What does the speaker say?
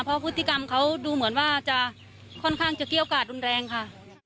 เพราะพฤติกรรมเขาดูเหมือนว่าจะค่อนข้างจะเกี้ยวกาดรุนแรงค่ะ